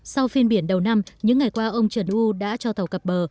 sau phiên biển đầu năm những ngày qua ông trần u đã cho tàu cặp bờ